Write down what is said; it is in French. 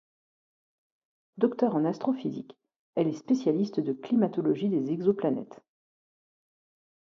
Docteur en astrophysique, elle est spécialiste de climatologie des exoplanètes.